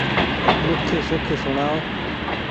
ۮوک سوک سوڻآڻو